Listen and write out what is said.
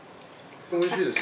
おいしいです。